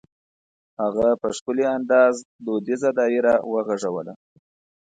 هغه په ښکلي انداز دودیزه دایره وغږوله.